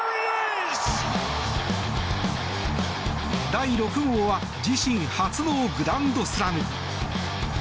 第６号は自身初のグランドスラム。